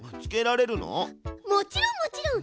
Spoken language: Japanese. もちろんもちろん！